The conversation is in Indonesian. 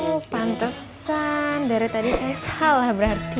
oh pantesan dari tadi saya salah berarti